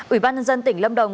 ủy ban nhân dân tỉnh lâm đồng